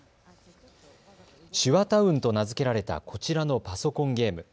手話タウンと名付けられたこちらのパソコンゲーム。